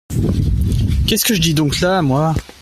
Qu'est-ce que je dis donc là, moi !